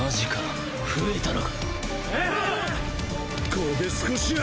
これで少しは。